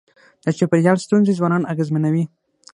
د چاپېریال ستونزي ځوانان اغېزمنوي.